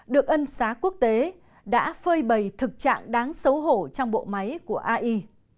được ân xá quốc tế đã phơi bầy thực trạng đáng xấu hổ trong bộ máy của ai